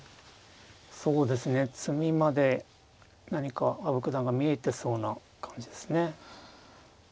そうですね詰みまで何か羽生九段が見えてそうな感じですね。